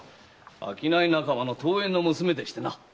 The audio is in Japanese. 商い仲間の遠縁の娘でしてな。